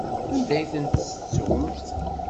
Anda ay ten-tettumt?